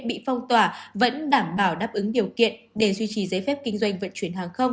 bị phong tỏa vẫn đảm bảo đáp ứng điều kiện để duy trì giấy phép kinh doanh vận chuyển hàng không